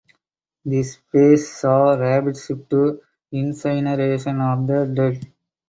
This phase saw rapid shift to incineration of the dead.